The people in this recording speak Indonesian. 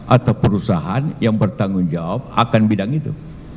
atau perusahaan yang bertanggung jawab akan bidang itu